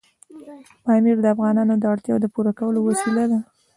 پامیر د افغانانو د اړتیاوو د پوره کولو وسیله ده.